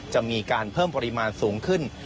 จะมีการเพิ่มปริมาณสูงขึ้น